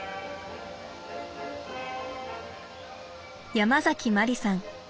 ヤマザキマリさん。